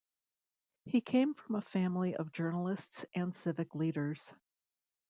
He came from a family of journalists and civic leaders.